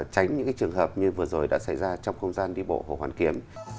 tránh những trường hợp như vừa rồi đã xảy ra trong không gian đi bộ hồ hoàn kiếm